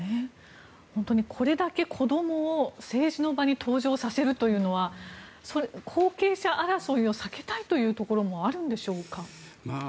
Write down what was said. これだけ子どもを政治の場に登場させるというのは後継者争いを避けたいというところもあるんでしょうか。